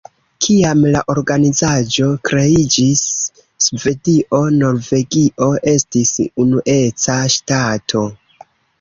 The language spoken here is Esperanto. Kiam la organizaĵo kreiĝis, Svedio-Norvegio estis unueca ŝtato.